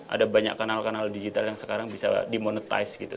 ada banyak kanal kanal digital yang sekarang bisa dimonetize